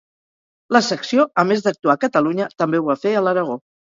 La Secció a més d’actuar a Catalunya també ho va fer a l'Aragó.